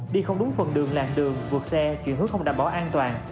đi không đúng phần đường làng đường vượt xe chuyển hướng không đảm bảo an toàn